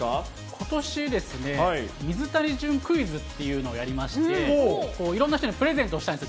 ことしですね、水谷隼クイズっていうのをやりまして、いろんな人にプレゼントしたんです。